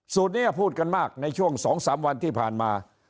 สูตรนี้พูดกันมากในช่วงสองสามวันที่ผ่านมา